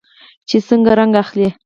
چې څنګه رنګ اخلي.